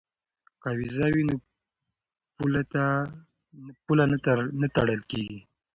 که ویزه وي نو پوله نه تړل کیږي.